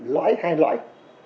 nói hai loại